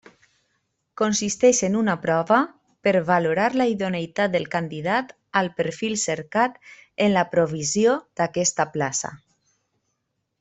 Consisteix en una prova per valorar la idoneïtat del candidat al perfil cercat en la provisió d'aquesta plaça.